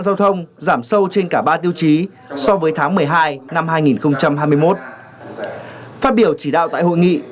giao thông giảm sâu trên cả ba tiêu chí so với tháng một mươi hai năm hai nghìn hai mươi một phát biểu chỉ đạo tại hội nghị